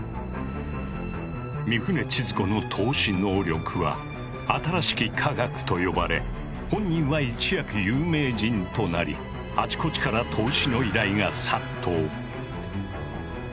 御船千鶴子の透視能力は「新しき科学」と呼ばれ本人は一躍有名人となりあちこちから更に。